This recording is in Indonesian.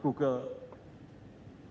masuk ke markasnya google